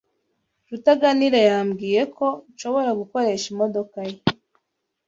Rutaganira yambwiye ko nshobora gukoresha imodoka ye.